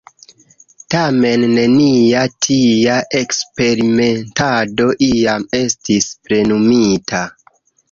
Tamen, nenia tia eksperimentado iam estis plenumita.